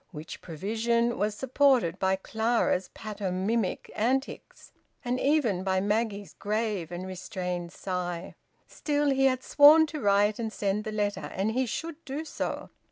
Which prevision was supported by Clara's pantomimic antics, and even by Maggie's grave and restrained sigh. Still, he had sworn to write and send the letter, and he should do so.